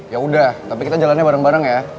ya udah tapi kita jalannya bareng bareng ya